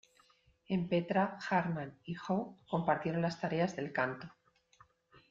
En "Petra", Hartman y Hough, compartieron las tareas del canto.